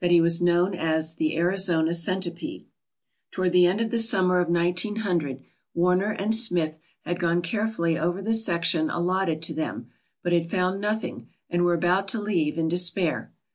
he was known as the 'Arizona Centipede/ "Toward the end of the summer of 1900 Warner and Smith had gone carefully over the section allotted to them but had found nothing and were about to leave in despair.